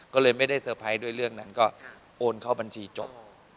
ก็เลยไม่ได้เซอร์ไพรส์ด้วยเรื่องนั้นก็โอนเข้าบัญชีจบ